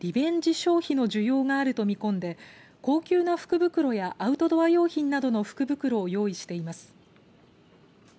消費の需要があると見込んで高級な福袋やアウトドア用品などの福袋を用意しています。